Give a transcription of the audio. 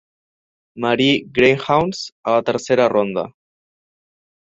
Marie Greyhounds a la tercera ronda.